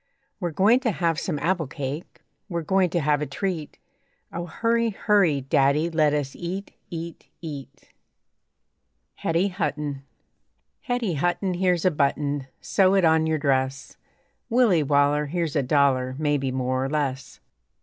We're going to have some apple cake, We're going to have a treat. O hurry, hurry, Daddy, Let us eat, eat, eat. HETTY HUTTON Hetty Hutton, Here's a button, Sew it on your dress. Willie Waller, Here's a dollar, Maybe more or less.